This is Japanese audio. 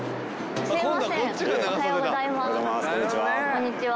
こんにちは。